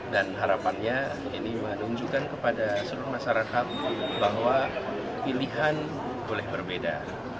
dan harapannya ini menunjukkan kepada seluruh masyarakat bahwa pilihan boleh berbeda